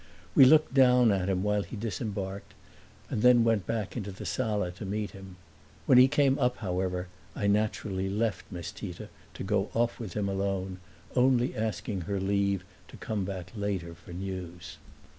We looked down at him while he disembarked and then went back into the sala to meet him. When he came up however I naturally left Miss Tita to go off with him alone, only asking her leave to come back later for news.